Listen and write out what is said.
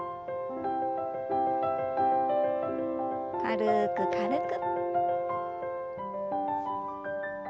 軽く軽く。